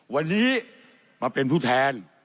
วันนี้มาเป็นผู้แทน